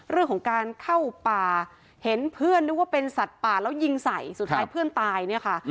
เรื่องของการเข้าป่าเห็นเพื่อนนึกว่าเป็นสัตว์ป่าแล้วยิงใส่สุดท้ายเพื่อนตายเนี่ยค่ะ